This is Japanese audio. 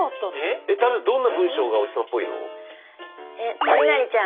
どんな文章がおじさんっぽいの？